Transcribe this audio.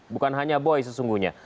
bukan hanya boy sesungguhnya